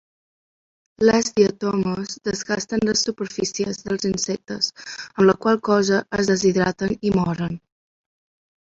Les diatomees desgasten les superfícies dels insectes, amb la qual cosa es deshidraten i moren.